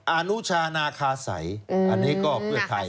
อนุชานาคาสัยอันนี้ก็เพื่อไทย